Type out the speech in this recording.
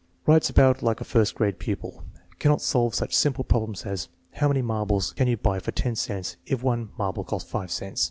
Writes about like a first grade pupil. Cannot solve such simple problems as "How many marbles can you buy for ten cents if one marble costs five cents?"